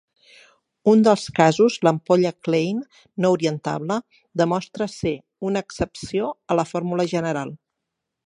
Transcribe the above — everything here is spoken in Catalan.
Un dels casos, l'ampolla Klein no orientable, demostrà ser una excepció a la fórmula general.